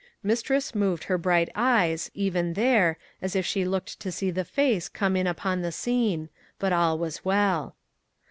Mistress moved her bright eyes, even there, as if she looked to see the face come in upon the scene; but all was well.